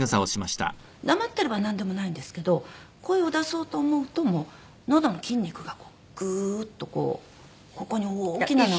黙ってればなんでもないんですけど声を出そうと思うともうのどの筋肉がグーッとこうここに大きななんか。